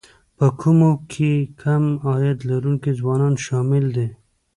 په کومو کې کم عاید لرونکي ځوانان شامل دي